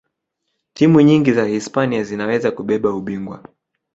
timu nyingi za hispania zinaweza kubeba ubingwa